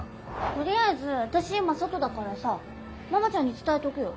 とりあえず私今外だからさママちゃんに伝えとくよ。